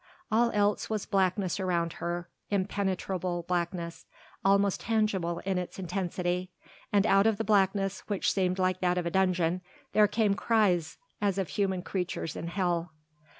All else was blackness around her, impenetrable blackness, almost tangible in its intensity, and out of the blackness which seemed like that of a dungeon there came cries as of human creatures in hell.